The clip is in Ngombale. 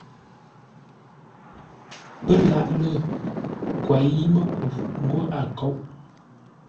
Pə́ laʼ lə́ kwěi-mə́ku ńgó a kóʼ.